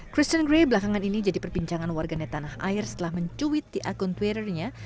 kristen gray belakangan ini jadi perbincangan warganet tanah air setelah mencuit di akun twitternya